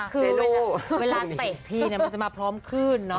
คือเวลาเตะทีมันจะมาพร้อมขึ้นเนอะ